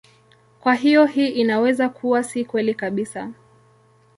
Kwa hiyo hii inaweza kuwa si kweli kabisa.